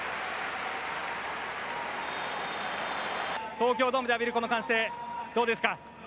東京ドームで浴びるこの歓声、どうですか。